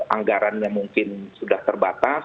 anggarannya mungkin sudah terbatas